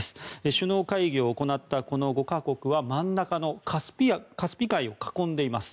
首脳会議を行った、真ん中のカスピ海を囲んでいます。